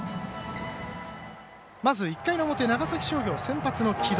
まず、１回の表、長崎商業先発の城戸。